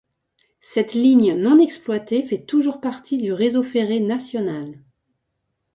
Cette ligne non exploitée fait toujours partie du réseau ferré national.